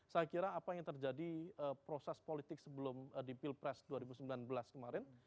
saya kira apa yang terjadi proses politik sebelum di pilpres dua ribu sembilan belas kemarin